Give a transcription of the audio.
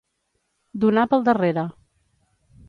Donar pel darrere.